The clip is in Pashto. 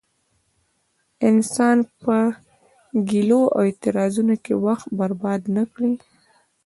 انسان په ګيلو او اعتراضونو کې وخت برباد نه کړي.